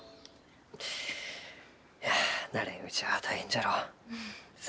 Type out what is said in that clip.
いや慣れんうちは大変じゃろう？